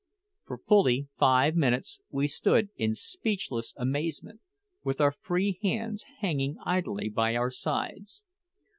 For fully five minutes we stood in speechless amazement, with our freed hands hanging idly by our sides.